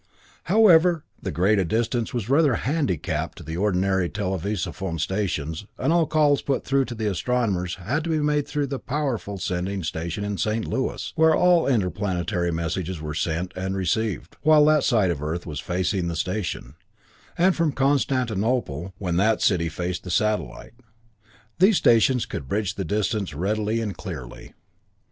However, the great distance was rather a handicap to the ordinary televisophone stations, and all calls put through to the astronomers had to be made through the powerful sending station in St. Louis, where all interplanetary messages were sent and received, while that side of the Earth was facing the station; and from Constantinople, when that city faced the satellite. These stations could bridge the distance readily and clearly.